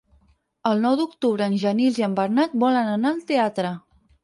El nou d'octubre en Genís i en Bernat volen anar al teatre.